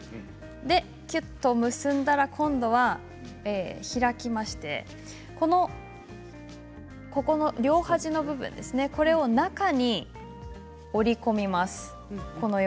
きゅっと結んだら今度は開きまして両端の部分を中に折り込みます。